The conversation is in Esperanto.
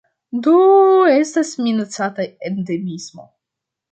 Do estas minacata endemismo.